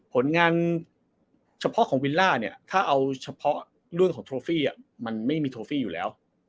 ผลงานเฉพาะของวิลล่าเนี่ยถ้าเอาเฉพาะเรื่องของโทฟี่มันไม่มีโทฟี่อยู่แล้ว